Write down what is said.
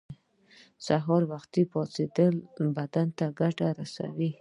سهار وختی پاڅیدل بدن ته ګټه رسوی